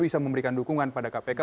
bisa memberikan dukungan pada kpk